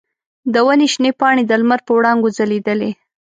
د ونې شنې پاڼې د لمر په وړانګو ځلیدلې.